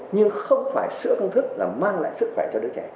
nhưng không phải sửa công thức là mang lại sức khỏe cho đứa trẻ